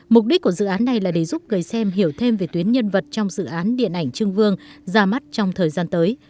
mục đích của dự án này là để giúp người xem hiểu thêm về tuyến nhân vật trong dự án điện ảnh trương vương ra mắt trong thời gian tới